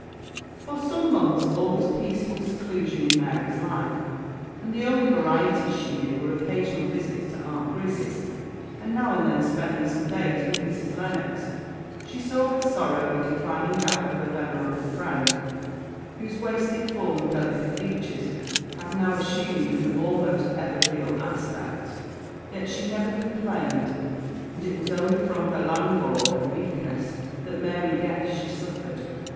FOR some months all was peaceful seclusion in Mary's life, and the only varieties she knew were occasional visits to Aunt Grizzy's, and now and then spending some days with Mrs. Lennox. She saw with sorrow the declining health of her venerable friend, whose wasted form and delicate features had now assumed an almost ethereal aspect. Yet she never complained, and it was only from her languor and weakness that Mary guessed she suffered.